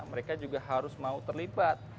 mereka juga harus mau terlibat